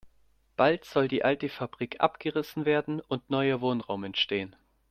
Bald soll die alte Fabrik abgerissen werden und neuer Wohnraum entstehen.